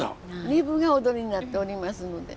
二部が踊りになっておりますので。